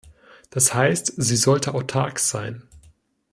Das heißt, sie sollte autark sein.